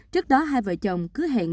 trước đó hai vợ chồng cứ hẹn